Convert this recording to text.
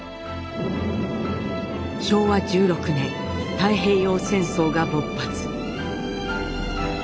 昭和１６年太平洋戦争が勃発。